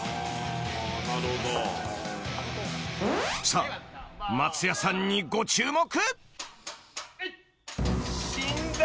［さあ松也さんにご注目］